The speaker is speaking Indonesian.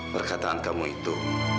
perkataan kamu itu